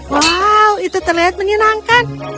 wow itu terlihat menyenangkan